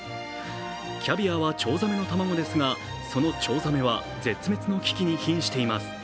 キャビアはチョウザメの卵ですがそのチョウザメは絶滅の危機に瀕しています。